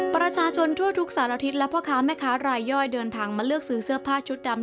ประชาชนทั่วทุกสารทิศและพ่อค้าแม่ค้ารายย่อยเดินทางมาเลือกซื้อเสื้อผ้าชุดดำ